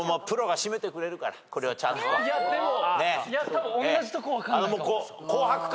たぶんおんなじとこ分かんないかも。